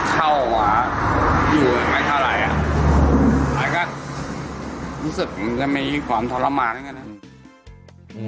ก็เหมือนจะไม่อยู่กว่ามทรมานคือ